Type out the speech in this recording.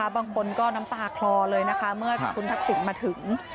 บางคนก็น้ำตาคลอเลยนะคะเมื่อคุณทักษิณมาถึง